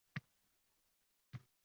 yolg‘izgina kezgani-kezgan;